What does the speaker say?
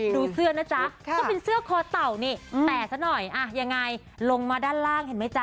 เสื้อนะจ๊ะก็เป็นเสื้อคอเต่านี่แต่ซะหน่อยยังไงลงมาด้านล่างเห็นไหมจ๊